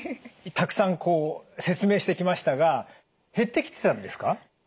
たくさんこう説明してきましたが減ってきてたんですか？